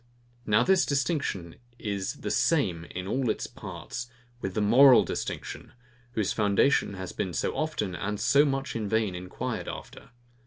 Now this distinction is the same in all its parts, with the MORAL DISTINCTION, whose foundation has been so often, and so much in vain, enquired after.